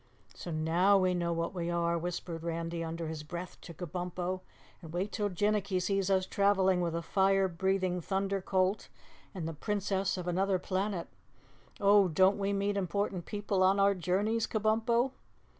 "So now we know what we are," whispered Randy under his breath to Kabumpo. "And wait till Jinnicky sees us traveling with a fire breathing Thunder Colt and the Princess of Anuther Planet. Oh, don't we meet important people on our journeys, Kabumpo?"